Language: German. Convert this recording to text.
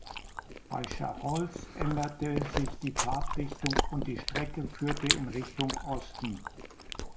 Bei Charolles änderte sich die Fahrtrichtung und die Strecke führte in Richtung Osten.